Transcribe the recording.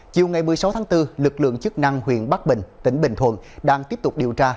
chiều ngày một mươi sáu tháng bốn lực lượng chức năng huyện bắc bình tỉnh bình thuận đang tiếp tục điều tra